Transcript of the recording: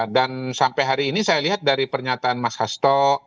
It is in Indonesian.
dan sampai hari ini saya lihat dari pernyataan mas hasto